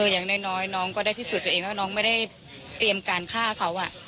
อย่างน้อยน้องก็ได้พิสูจน์ตัวเองว่าน้องไม่ได้เตรียมการฆ่าเขา